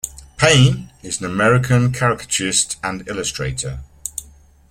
Payne, is an American caricaturist and illustrator.